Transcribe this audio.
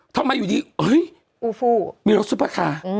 ทำไมอยู่ดีโอ้ยมีรถซุปคาร์